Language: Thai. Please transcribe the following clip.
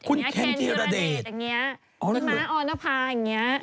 คุณแค้นที่ระเด็ดอ๋ออะไรกันเหรออ๋ออะไรกันเหรอพี่ม้าออนภาอย่างนี้